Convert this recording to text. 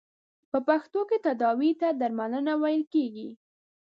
په پښتو کې تداوې ته درملنه ویل کیږی.